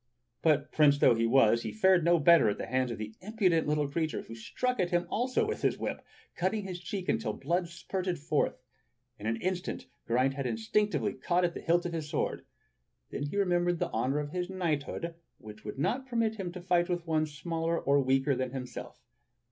But prince though he was, he fared no better at the hands of the impudent little creature, who struck at him also with his whip, cutting his cheek until the blood spurted forth. In an instant Geraint had instinctively caught at the hilt of his sw^ord; then he remembered the 54 THE STORY OF KING ARTHUR honor of his knighthood, which would not permit him to fight with one smaller or weaker than himself.